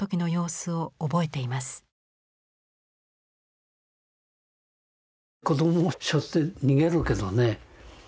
子どもをしょって逃げるけどね